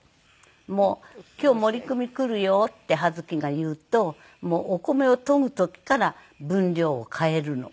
もう「今日モリクミ来るよ」ってはづきが言うともうお米をとぐ時から分量を変えるの。